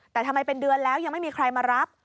แต่ทำไมเป็นเดือนแล้วยังไม่มีใครมารับ